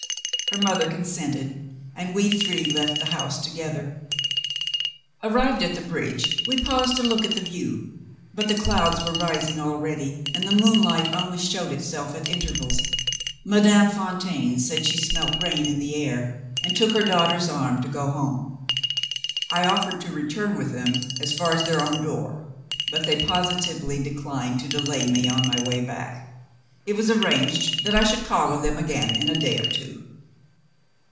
Her mother consented, and we three left the house together. Arrived at the bridge, we paused to look at the view. But the clouds were rising already, and the moonlight only showed itself at intervals. Madame Fontaine said she smelt rain in the air, and took her daughter's arm to go home. I offered to return with them as far as their own door; but they positively declined to delay me on my way back. It was arranged that I should call on them again in a day or two.